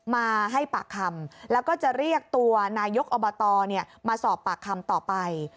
มาให้ปากคำแล้วก็จะเรียกตัวนายกอบตมาสอบปากคำต่อไป